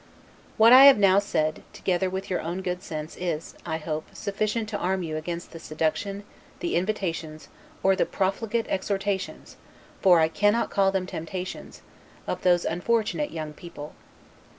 What I have now said, together with your own good sense, is, I hope, sufficient to arm you against the seduction, the invitations, or the profligate exhortations (for I cannot call them temptations) of those unfortunate young people.